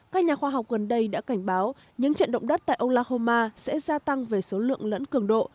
các nhà khoa học gần đây đã cảnh báo những trận động đất tại olahoma sẽ gia tăng về số lượng lẫn cường độ